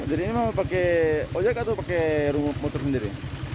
jadi ini mau pakai ojek atau pakai rumah motor sendiri